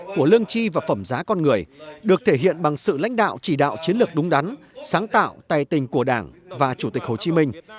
của lương chi và phẩm giá con người được thể hiện bằng sự lãnh đạo chỉ đạo chiến lược đúng đắn sáng tạo tài tình của đảng và chủ tịch hồ chí minh